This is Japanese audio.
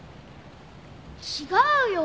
違うよ。